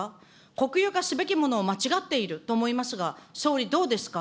国有化すべきものを間違っていると思いますが、総理、どうですか。